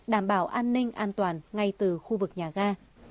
đảm bảo an ninh an toàn ngay từ khu vực nhà ga